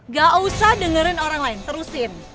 gak usah dengerin orang lain terusin